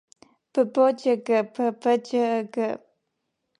- Բըբո ջըգը, բըբը ջըգը…